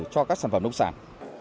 cho các sản phẩm nông sản